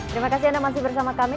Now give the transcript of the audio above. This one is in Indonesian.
terima kasih anda masih bersama kami